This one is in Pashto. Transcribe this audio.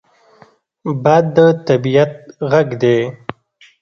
باد د طبعیت غږ دی